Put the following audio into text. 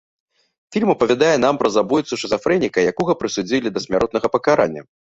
Фільм апавядае нам пра забойцу-шызафрэніка, якога прысудзілі да смяротнага пакарання.